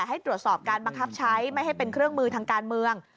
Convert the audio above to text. ให้ตรวจสอบการบังคับใช้ไม่ให้เป็นเครื่องมือทางการเมือง